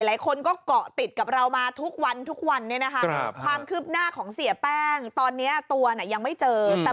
หลายคนก็เกาะติดกับเรามาทุกวันทุกวันเนี่ยนะคะความคืบหน้าของเสียแป้งตอนนี้ตัวน่ะยังไม่เจอแต่